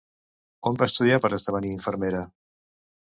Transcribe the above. On va estudiar per esdevenir infermera?